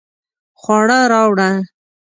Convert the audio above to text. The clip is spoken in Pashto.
خواړه راوړه